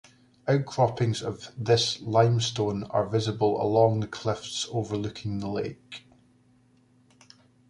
Outcroppings of this limestone are visible along the cliffs overlooking the lake.